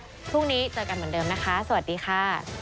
พรุ่งนี้เจอกันเหมือนเดิมนะคะสวัสดีค่ะ